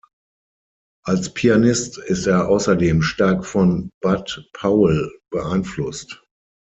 Als Pianist ist er außerdem stark von Bud Powell beeinflusst.